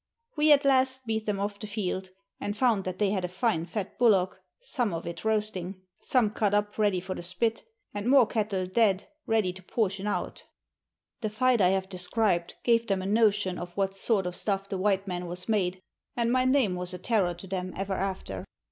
We at last beat them off the field, and found Letters from Victorian Pioneers. 153 that they had a fine fat bullock some of it roasting, some cut up ready for the spit, and more cattle dead ready to portion out. The fight I have described gave them a notion of what sort of stuff the white man was made, and my name was a terror to them ever after.